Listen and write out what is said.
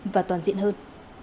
và toàn diện hơn